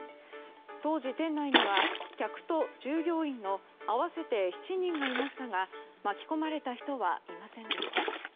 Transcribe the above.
当時、店内には客と従業員の合わせて７人がいましたが巻き込まれた人はいませんでした。